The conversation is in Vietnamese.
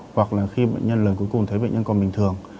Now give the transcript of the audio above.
hoặc là khi bệnh nhân lần cuối cùng thấy bệnh nhân còn bình thường